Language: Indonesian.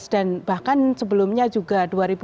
dan bahkan sebelumnya juga dua ribu tujuh belas